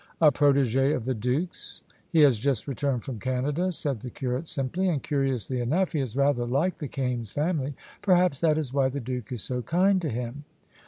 "A protége of the Duke's. He has just returned from Canada," said the curate, simply; "and, curiously enough, he is rather like the Kaimes family. Perhaps that is why the Duke is so kind to him."